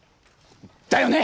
だよね！